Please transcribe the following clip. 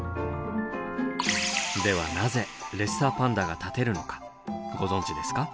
ではなぜレッサーパンダが立てるのかご存じですか？